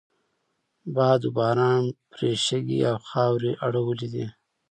باد و باران پرې شګې او خاورې اړولی دي.